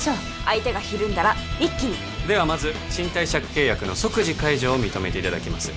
相手がひるんだら一気にではまず賃貸借契約の即時解除を認めていただきます